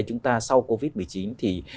chúng ta sau covid một mươi chín thì